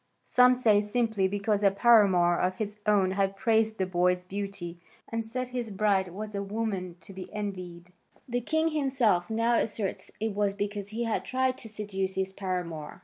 Some say simply because a paramour of his own had praised the boy's beauty and said his bride was a woman to be envied. The king himself now asserts it was because he had tried to seduce his paramour.